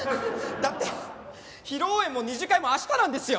だって披露宴も二次会も明日なんですよ。